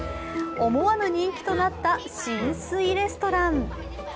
思わぬ人気となった浸水レストラン。